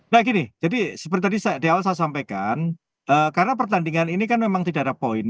nah begini seperti yang saya sampaikan di awal karena pertandingan ini memang tidak ada poin